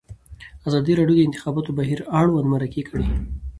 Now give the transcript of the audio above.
ازادي راډیو د د انتخاباتو بهیر اړوند مرکې کړي.